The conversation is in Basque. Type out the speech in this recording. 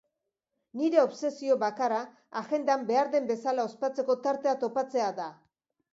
Nire obsesio bakarra agendan behar den bezala ospatzeko tartea topatzea da.